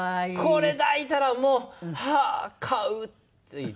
これ抱いたらもうはあ飼う！って言っちゃって。